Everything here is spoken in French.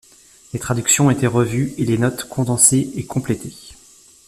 Les traductions ont été revues et les notes condensées et complétées.